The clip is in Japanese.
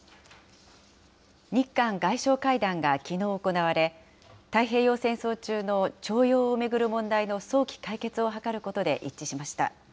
日韓外相会談がきのう行われ、太平洋戦争中の徴用を巡る問題の早期解決を図ることで一致しました。